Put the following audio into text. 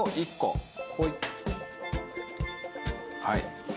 はい。